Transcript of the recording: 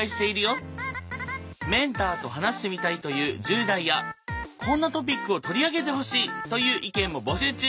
メンターと話してみたいという１０代やこんなトピックを取り上げてほしいという意見も募集中。